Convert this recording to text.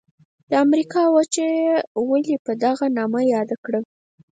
د امریکا وچه یې ولي په دغه نامه یاده کړه؟